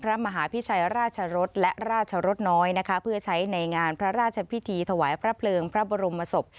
พระมหาพิชัยราชรสและราชรสน้อยนะคะเพื่อใช้ในงานพระราชพิธีถวายพระเพลิงพระบรมศพ